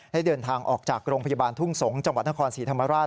ได้เดินทางออกจากโรงพยาบาลทุ่งสงศ์จังหวัดนครศรีธรรมราช